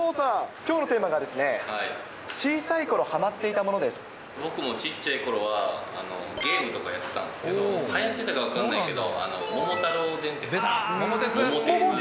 きょうのテーマが、小さいころは僕も、小っちゃいころは、ゲームとかやってたんですけど、はやっていたかどうかは分からないけど、桃太郎電鉄。